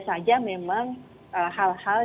saja memang hal hal